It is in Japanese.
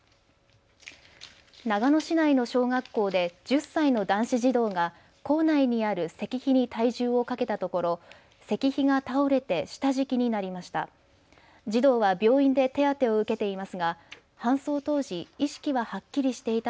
長野市内の小学校で１０歳の男子児童が校内にある石碑に体重をかけたところ石碑が倒れて下敷きになりました。